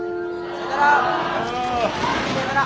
さよなら。